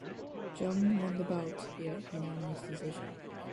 Jung won the bout via unanimous decision.